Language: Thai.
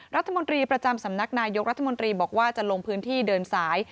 รัฐมนตรีประจำสำนักนายกรัฐมนตรีบอกว่าจะลงพื้นที่เดินสาย